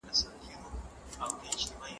غاښونه هره ورځ پاک کړه